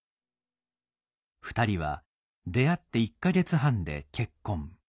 ２人は出会って１か月半で結婚。